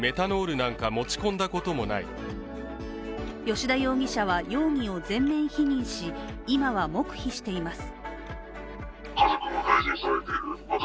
吉田容疑者は容疑を全面否認し、今は黙秘しています。